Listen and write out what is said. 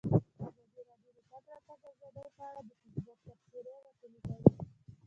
ازادي راډیو د د تګ راتګ ازادي په اړه د فیسبوک تبصرې راټولې کړي.